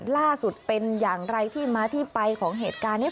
ล่าสุดเป็นอย่างไรที่มาที่ไปของเหตุการณ์นี้